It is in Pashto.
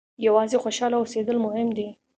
یوازې خوشاله اوسېدل مهم دي.